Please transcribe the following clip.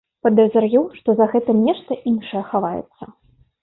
Падазраю, што за гэтым нешта іншае хаваецца.